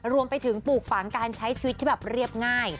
รวมไปถึงปลูกฝังการใช้ชีวิตที่แบบเรียบง่าย